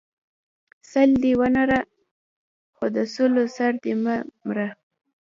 ـ سل دی ونره خو د سلو سر دی مه مره.